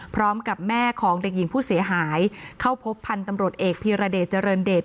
พร้อมกับแม่ของเด็กหญิงผู้เสียหายเข้าพบพันธุ์ตำรวจเอกพีรเดชเจริญเดช